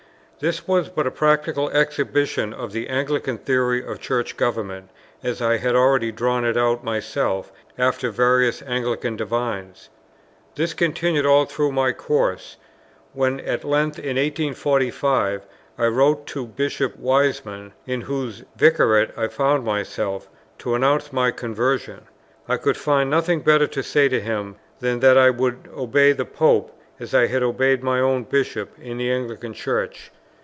This was but a practical exhibition of the Anglican theory of Church Government, as I had already drawn it out myself, after various Anglican Divines. This continued all through my course; when at length, in 1845, I wrote to Bishop Wiseman, in whose Vicariate I found myself, to announce my conversion, I could find nothing better to say to him than that I would obey the Pope as I had obeyed my own Bishop in the Anglican Church.